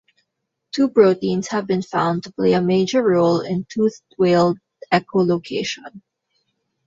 Two proteins have been found to play a major role in toothed whale echolocation.